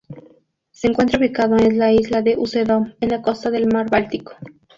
Se encuentra ubicado en la isla de Usedom, en la costa del mar Báltico.